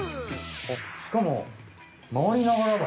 しかもまわりながらだ。